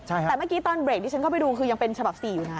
แต่เมื่อกี้ตอนเบรกที่ฉันเข้าไปดูคือยังเป็นฉบับ๔อยู่นะ